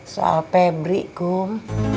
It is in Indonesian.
soal pebri kum